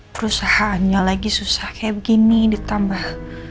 perusahaannya lagi susah kayak begini ditambah